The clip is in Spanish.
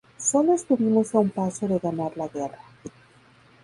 Sólo estuvimos a un paso de ganar la guerra.